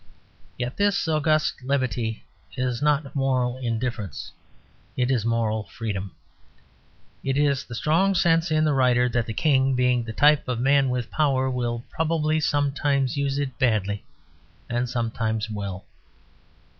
Yet this august levity is not moral indifference; it is moral freedom. It is the strong sense in the writer that the King, being the type of man with power, will probably sometimes use it badly and sometimes well.